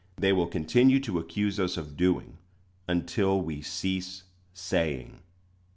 They will continue to accuse us of doing, until we cease saying.